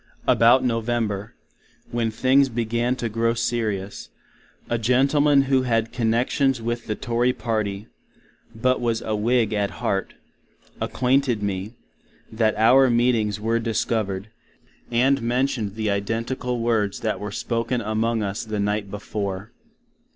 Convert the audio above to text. About November, when things began to grow Serious, a Gentleman who had Conections with the Tory party, but was a Whig at heart, acquainted me, that our meetings were discovered, and mentioned the identical words that were spoken among us the Night before.